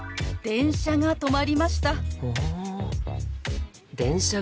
電車が止まりました。